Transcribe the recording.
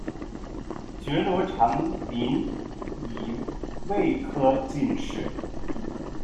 觉罗长麟乙未科进士。